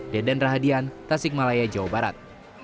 deden rahadian tasik malaya jawa barat